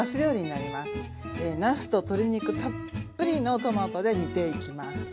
なすと鶏肉たっぷりのトマトで煮ていきます。